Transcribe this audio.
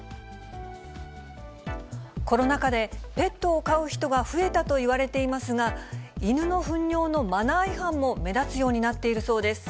コロナ禍でペットを飼う人が増えたといわれていますが、犬のふん尿のマナー違反も目立つようになっているそうです。